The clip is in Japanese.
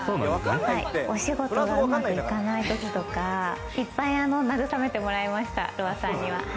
お仕事がうまくいかないときとかいっぱい慰めてもらいました、ロワさんには。